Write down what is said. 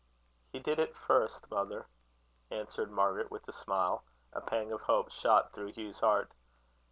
"He did it first, mother," answered Margaret, with a smile. A pang of hope shot through Hugh's heart.